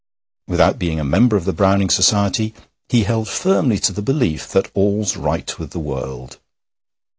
Without being a member of the Browning Society, he held firmly to the belief that all's right with the world.